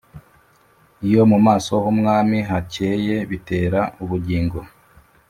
Iyo mu maso h umwami hakeye bitera ubugingo